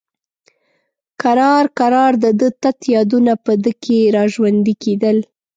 کرار کرار د ده تت یادونه په ده کې را ژوندي کېدل.